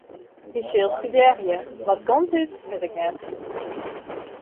Hy sil studearje, wat kant út wit ik net.